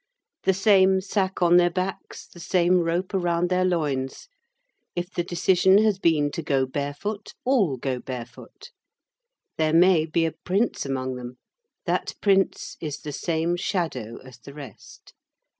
The same sack on their backs, the same rope around their loins. If the decision has been to go barefoot, all go barefoot. There may be a prince among them; that prince is the same shadow as the rest.